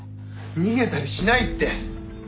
逃げたりしないって。